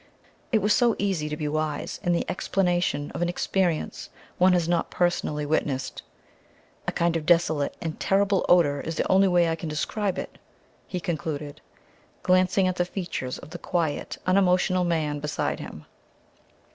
It was so easy to be wise in the explanation of an experience one has not personally witnessed. "A kind of desolate and terrible odor is the only way I can describe it," he concluded, glancing at the features of the quiet, unemotional man beside him.